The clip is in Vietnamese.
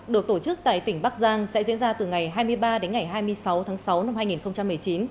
được tổ chức tại tỉnh bắc giang sẽ diễn ra từ ngày hai mươi ba đến ngày hai mươi sáu tháng sáu năm hai nghìn một mươi chín